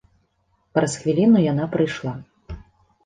Праз хвіліну яна прыйшла.